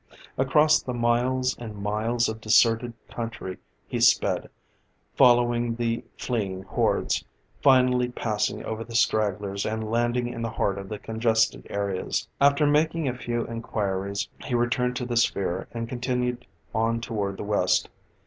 Across the miles and miles of deserted country he sped, following the fleeing hordes, finally passing over the stragglers and landing in the heart of the congested areas. After making a few inquiries, he returned to the sphere, and continued on toward the West.